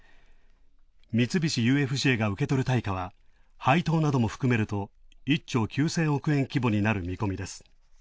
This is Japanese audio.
三菱ＵＦＪが受け取る対価は配当なども含めると１兆９０００億円規模に見込みです。